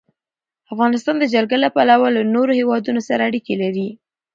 افغانستان د جلګه له پلوه له نورو هېوادونو سره اړیکې لري.